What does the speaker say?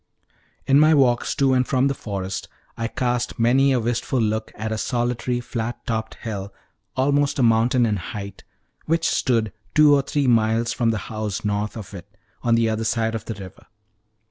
In my walks to and from the forest I cast many a wistful look at a solitary flat topped hill, almost a mountain in height, which stood two or three miles from the house, north of it, on the other side of the river.